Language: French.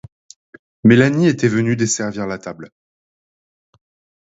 Mélanie était venue desservir la table.